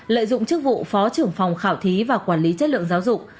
lợi dụng chức vụ phó trưởng phòng khảo thí và quản lý chất lượng giáo dục